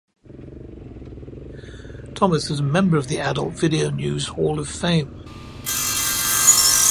Thomas is a member of the Adult Video News Hall of Fame.